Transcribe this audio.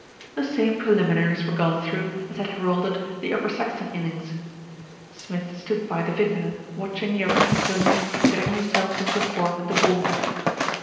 The same preliminaries were gone through as had heralded the Upper Saxton innings. Smith stood by the vicar, watching the Upper Saxtonians getting them selves into form with the ball.